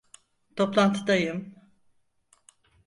Toplantıdayım.